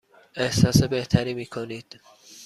احساس بهتری می کنید؟